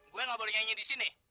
gue gak boleh nyanyi di sini